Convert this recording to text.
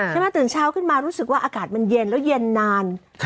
ตื่นเช้าขึ้นมารู้สึกว่าอากาศมันเย็นแล้วเย็นนาน